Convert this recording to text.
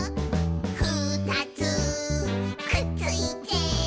「ふたつくっついて」